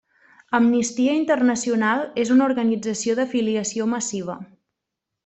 Amnistia Internacional és una organització d'afiliació massiva.